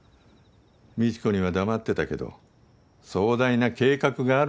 未知子には黙ってたけど壮大な計画があるの。